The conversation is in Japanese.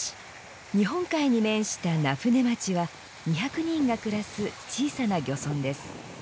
日本海に面した名舟町は２００人が暮らす小さな漁村です。